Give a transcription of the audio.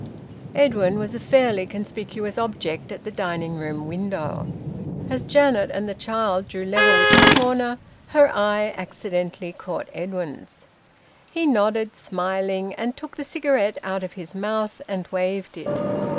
Edwin was a fairly conspicuous object at the dining room window. As Janet and the child drew level with the corner her eye accidentally caught Edwin's. He nodded, smiling, and took the cigarette out of his mouth and waved it.